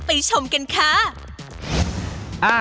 ชมกันค่ะ